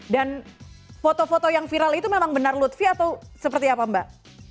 dan foto foto yang viral itu memang benar lutfi atau seperti apa mbak